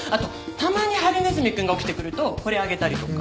たまにハリネズミ君が起きてくるとこれあげたりとか。